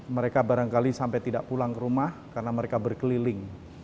mereka barangkali sampai tidak pulang ke rumah karena mereka berkeliling